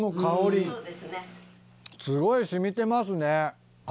すごい染みてますね。